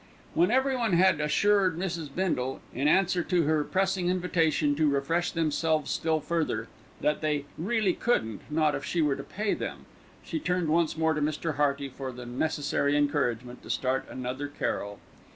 When everyone had assured Mrs. Bindle, in answer to her pressing invitation to refresh themselves still further, that they "really couldn't, not if she were to pay them," she turned once more to Mr. Hearty for the necessary encouragement to start another carol.